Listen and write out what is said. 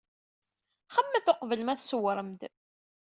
Xemmemet uqbel ma tsewrem-d.